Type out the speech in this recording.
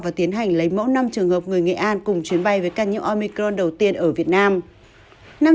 và tiến hành lấy mẫu năm trường hợp người nghệ an cùng chuyến bay với ca nhiễm omicron đầu tiên ở việt nam